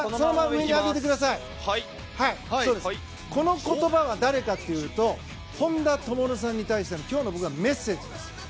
この言葉は誰かというと本多灯さんに対しての今日の僕のメッセージです。